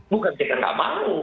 bukan jika tidak mau